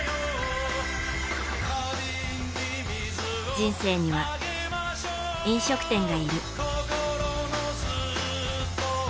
人生には、飲食店がいる。